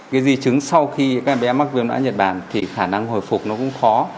cái di chứng sau khi các bé mắc viêm não nhật bản thì khả năng hồi phục nó cũng khó